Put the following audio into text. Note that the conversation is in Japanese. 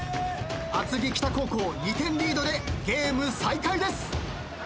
厚木北高校２点リードでゲーム再開です。